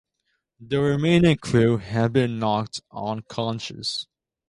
The remaining crew have been knocked unconscious.